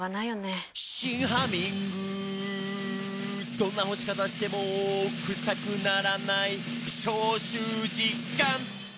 「どんな干し方してもクサくならない」「消臭実感！」